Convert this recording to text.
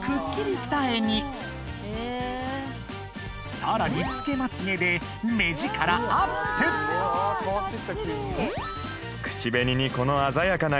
さらにつけまつげで目ヂカラアップ・若ーい！